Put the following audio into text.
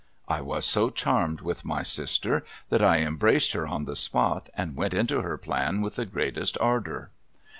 I was so charmed with my sister, that I embraced her on the spot, and went into her plan with the greatest ardour.